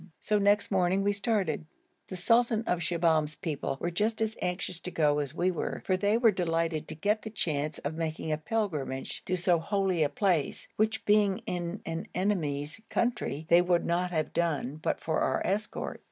So next morning we started. The sultan of Shibahm's people were just as anxious to go as we were, for they were delighted to get the chance of making this pilgrimage to so holy a place, which being in an enemies' country they could not have done but for our escort.